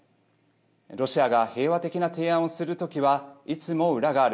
ロシアが平和的な提案をする時はいつも裏がある。